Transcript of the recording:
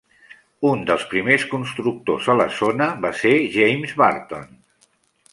Un dels primers constructors a la zona va ser James Burton.